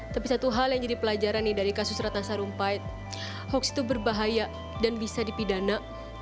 tapi satu hal yang jadi pelajaran dari kasus rata sarumpahet hoaks itu berbahaya dan bisa dipidana